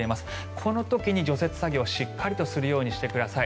この時に除雪作業しっかりするようにしてください。